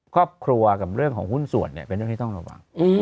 ครอบครัวกับเรื่องของหุ้นส่วนเป็นเรื่องที่ต้องระวัง